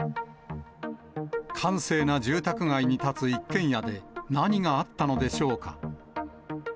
閑静な住宅街に建つ一軒家で、何があったのでしょうか。